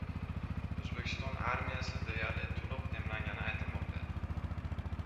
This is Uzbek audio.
O‘zbekiston armiyasi deyarli to‘liq emlangani aytilmoqda